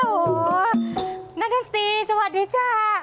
อุวณสีสวัสดีจ้า